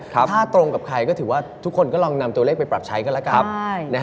ถ้าตรงกับใครก็ถือว่าทุกคนก็ลองนำตัวเลขไปปรับใช้กันแล้วกัน